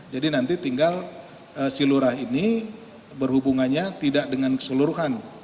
jadi nanti tinggal si lurah ini berhubungannya tidak dengan keseluruhan